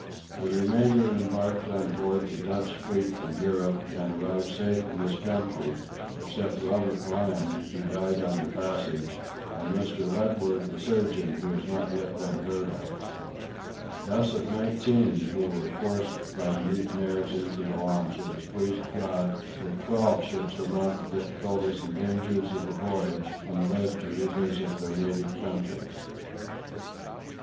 The remainder embarked on board the Dutch fleet for Europe, and arrived safe at this country, except Robert Lamb, who died on the passage, and Mr. Ledward the surgeon who has not yet been heard of. Thus of nineteen who were forced by the mutineers into the launch it has pleased God that twelve should surmount the difficulties and dangers of the voyage and live to revisit their native country.